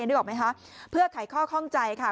นึกออกไหมคะเพื่อไขข้อข้องใจค่ะ